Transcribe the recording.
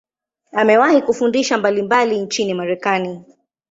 Amewahi kufundisha sehemu mbalimbali nchini Marekani.